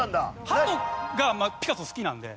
ハトがピカソ好きなんで。